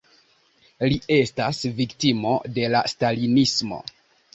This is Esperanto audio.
Li estas viktimo de la stalinismo.